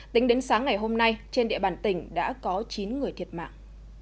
tính đến sáng ngày hôm nay trên địa bàn tỉnh đã có chín người thiệt mạng